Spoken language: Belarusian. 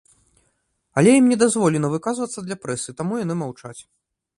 Але ім не дазволена выказвацца для прэсы, таму яны маўчаць.